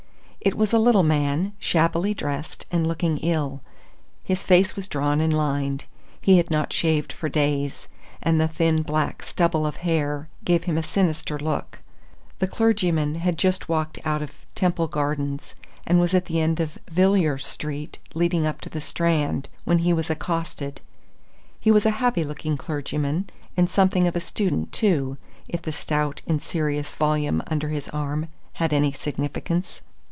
It was a little man, shabbily dressed, and looking ill. His face was drawn and lined; he had not shaved for days, and the thin, black stubble of hair gave him a sinister look. The clergyman had just walked out of Temple Gardens and was at the end of Villiers Street leading up to the Strand, when he was accosted. He was a happy looking clergyman, and something of a student, too, if the stout and serious volume under his arm had any significance.